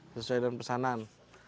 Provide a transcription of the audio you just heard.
sesuai dengan pesanan